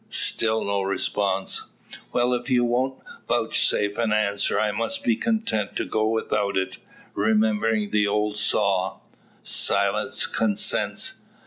Still no response. "Well; if you won't vouchsafe an answer, I must be content to go without it; remembering the old saw `Silence consents.'